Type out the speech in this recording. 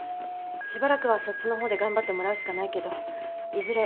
しばらくはそっちの方で頑張ってもらうしかないけどいずれ